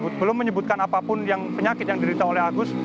belum menyebutkan apapun yang penyakit yang diderita oleh agus